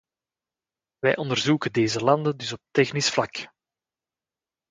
Wij ondersteunen deze landen dus op technisch vlak.